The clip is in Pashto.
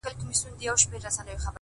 ورباندي پايمه په دوو سترگو په څو رنگه ـ